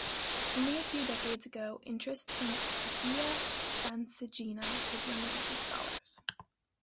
Only a few decades ago, interest in the Via Francigena was limited to scholars.